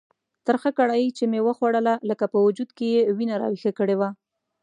ترخه کړایي چې مې وخوړله لکه په وجود کې یې وینه راویښه کړې وه.